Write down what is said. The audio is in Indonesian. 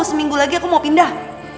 seminggu lagi aku mau pindah